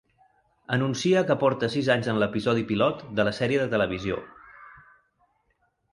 Anuncia que porta sis anys en l'episodi pilot de la sèrie de televisió.